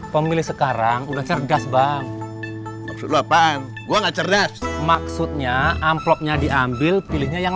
pemilih sekarang udah cerdas bang apaan gua nggak cerdas maksudnya amplopnya diambil pilihnya yang